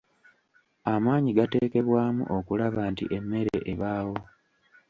Amaanyi gateekebwamu okulaba nti emmere ebaawo.